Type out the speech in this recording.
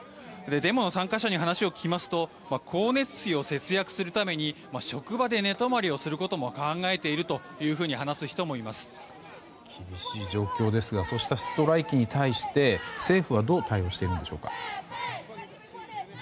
デモの参加者に話を聞きますと光熱費を節約するために職場で寝泊まりをすることも考えているというふうに厳しい状況ですがそうしたストライキに対して政府はどう対応しているんでしょうか？